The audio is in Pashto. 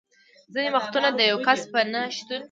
ځینې وختونه د یو کس په نه شتون کې.